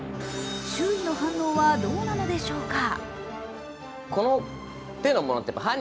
周囲の反応はどうなのでしょうか？